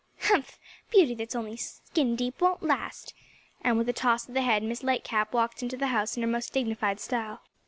"Humph! beauty that's only skin deep won't last," and with a toss of the head Miss Lightcap walked into the house in her most dignified style.